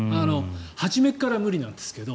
初めから無理なんですけど。